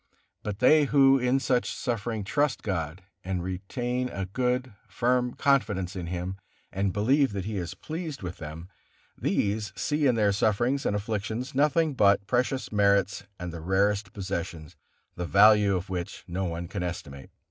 But they who in such suffering trust God and retain a good, firm confidence in Him, and believe that He is pleased with them, these see in their sufferings and afflictions nothing but precious merits and the rarest possessions, the value of which no one can estimate.